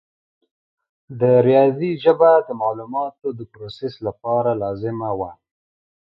د ریاضي ژبه د معلوماتو د پروسس لپاره لازمه وه.